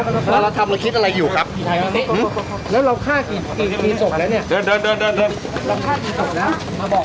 มันเห็นลูกเป็นผีหรือเห็นลูกเป็นอื่นล่ะทำไมต้องฆ่าลูก